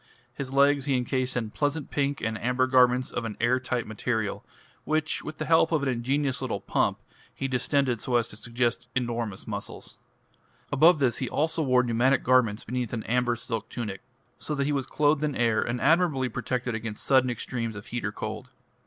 His legs he encased in pleasant pink and amber garments of an air tight material, which with the help of an ingenious little pump he distended so as to suggest enormous muscles. Above this he also wore pneumatic garments beneath an amber silk tunic, so that he was clothed in air and admirably protected against sudden extremes of heat or cold.